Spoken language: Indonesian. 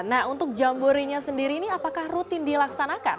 nah untuk jamborinya sendiri ini apakah rutin dilaksanakan